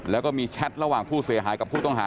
แล้วก็มีแชทระหว่างผู้เสียหายกับผู้ต้องหา